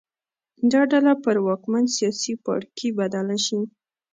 دا ډله پر واکمن سیاسي پاړکي بدله شي